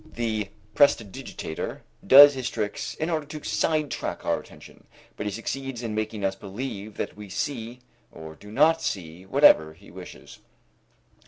The prestidigitator does his tricks in order to sidetrack our attention, but he succeeds in making us believe that we see or do not see whatever he wishes.